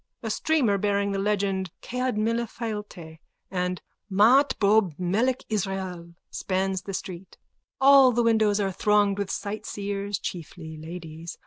A streamer bearing the legends_ Cead Mile Failte and Mah Ttob Melek Israel _spans the street. All the windows are thronged with sightseers, chiefly ladies.